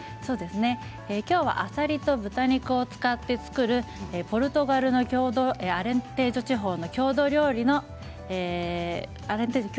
今日はあさりと豚肉を使って作るポルトガルのアレンテージョ地方の郷土料理のアレンテージョです。